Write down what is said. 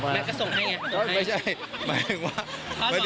ก๋วยพี่โรเอนด๗๕๕